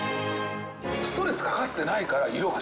ストレスかかってないから色が白い。